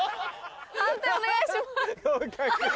判定お願いします。